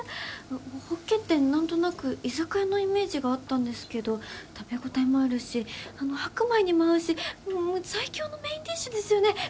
ホッケって何となく居酒屋のイメージがあったんですけど食べ応えもあるしあの白米にも合うし最強のメインディッシュですよねご主人。